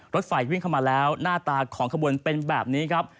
รถไฟวิ่งเข้ามาแล้วหน้าตาของขบวนเป็นแบบนี้ครับ